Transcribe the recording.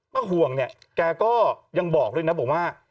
ห่วงเนี่ยแกก็ยังบอกด้วยนะบอกว่า